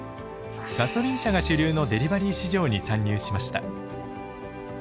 ガソリン車が主流のデリバリー市場に参入しました。